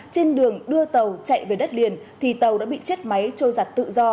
trên đường đưa tàu chạy về đất liền thì tàu đã bị chết máy trôi giặt tự do